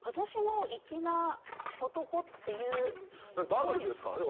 バブルですからね。